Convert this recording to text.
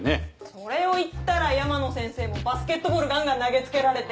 それを言ったら山野先生もバスケットボールガンガン投げ付けられて。